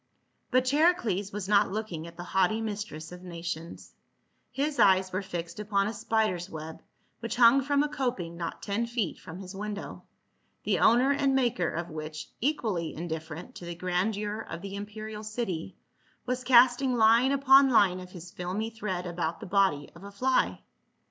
But Charicles was not looking at the haughty mis tress of nations ; his eyes were fixed upon a spider's web which hung from a coping not ten feet from his window, the owner and maker of which, equally indifferent to the grandeur of the imperial city, was casting line upon line of his filmy thread about the body of a fly.